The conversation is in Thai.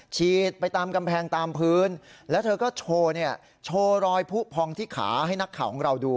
ฉีดไปตามกำแพงตามพื้นแล้วเธอก็โชว์เนี่ยโชว์รอยผู้พองที่ขาให้นักข่าวของเราดู